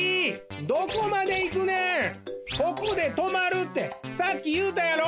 ここでとまるってさっきいうたやろ！